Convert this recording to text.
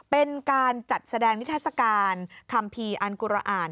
เป็นการจัดแสดงนิทัศกาลคัมภีร์อันกุรอ่าน